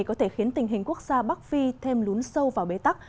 có thể khiến tình hình quốc gia bắc phi thêm lún sâu vào bế tắc